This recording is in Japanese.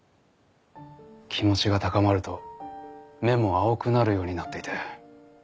気持ちが高まると目も青くなるようになっていて。